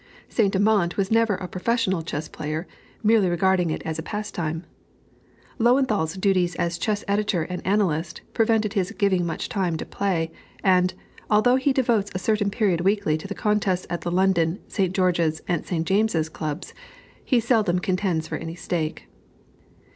Saint Amant was never a professional chess player, merely regarding it as a pastime. Löwenthal's duties as chess editor and analyst, prevent his giving much time to play, and, although he devotes a certain period weekly to the contests at the London, St. George's, and St. James's Clubs, he seldom contends for any stake.